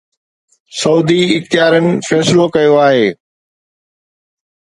سعودي اختيارين فيصلو ڪيو آهي